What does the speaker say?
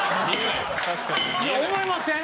思いません？